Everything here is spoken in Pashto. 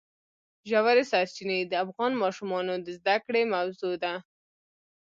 ژورې سرچینې د افغان ماشومانو د زده کړې موضوع ده.